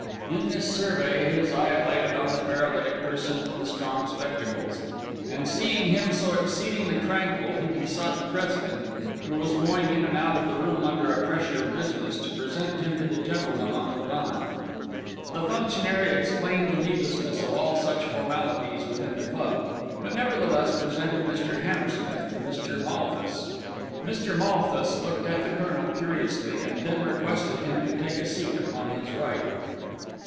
In this survey his eye lighted on the paralytic person with the strong spectacles; and seeing him so exceedingly tranquil, he besought the President, who was going in and out of the room under a pressure of business, to present him to the gentleman on the divan. The functionary explained the needlessness of all such formalities within the club, but nevertheless presented Mr. Hammersmith to Mr. Malthus. Mr. Malthus looked at the Colonel curiously, and then requested him to take a seat upon his right.